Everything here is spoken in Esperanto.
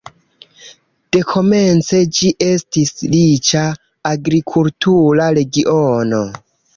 Dekomence ĝi estis riĉa agrikultura regiono.